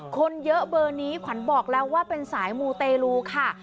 คนเยอะเบอร์นี้ขวัญบอกแล้วว่าเป็นสายมูเตลูค่ะ